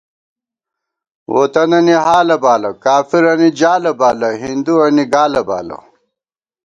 ووطَنَنی حالہ بالہ، کافِرَنی جالہ بالہ، ہِندُوَنی گالہ بالہ